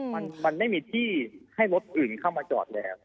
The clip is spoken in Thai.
มันไม่มีที่ให้รถอื่นเข้ามาจอดแล้ว